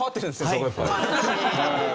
そこやっぱり。